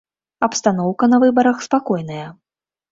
Абстаноўка на выбарах спакойная.